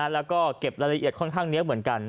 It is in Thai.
แล้วก็เก็บรายละเอียดค่อนข้างเยอะเหมือนกัน